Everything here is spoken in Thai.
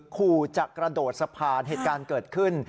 ขู่จะกระโดดสะพานเหตุการณ์เกิดขึ้น